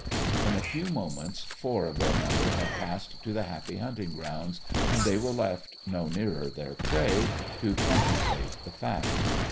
In a few moments four of their number had passed to the happy hunting grounds, and they were left, no nearer their prey, to contemplate the fact.